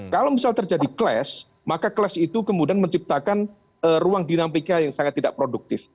kalau misal terjadi clash maka clash itu kemudian menciptakan ruang dinamika yang sangat tidak produktif